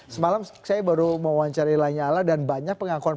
semalam saya baru mewawancari lanyala dan banyak pengakuan pengaku